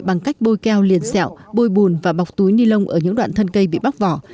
bằng cách bôi keo liền xẹo bôi bùn và bọc túi ni lông ở những đoạn thân cây bị bóc vỏ